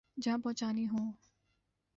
جہاں پہنچانی ہوں۔